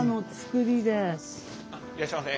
いらっしゃいませ。